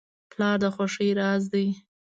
پلار د خوښۍ راز دی.